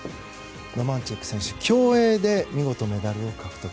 ロマンチュク選手競泳で見事メダルを獲得。